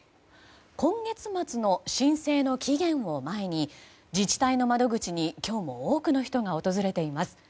今月末の申請の期限を前に自治体の窓口に今日も多くの人が訪れています。